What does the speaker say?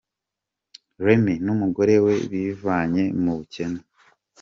Remy n’umugore we bivanye mu bukene.